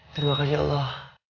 terima kasih ya allah